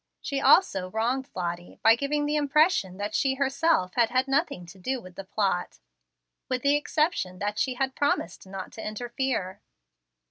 She also wronged Lottie by giving the impression that she herself had had nothing to do with the plot, with the exception that she had promised not to interfere.